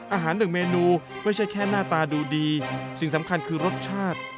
หนึ่งเมนูไม่ใช่แค่หน้าตาดูดีสิ่งสำคัญคือรสชาติ